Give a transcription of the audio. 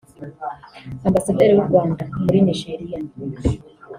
Ambasaderi w’u Rwanda muri Nigeria